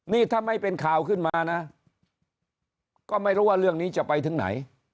นี่ถ้าไม่เป็นข่าวขึ้นมานะก็ไม่รู้ว่าเรื่องนี้จะไปถึงไหน